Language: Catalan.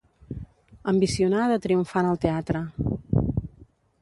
Ambicionar de triomfar en el teatre.